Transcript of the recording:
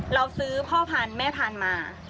เราซื้อพ่อพันธุ์แม่พันธุ์มา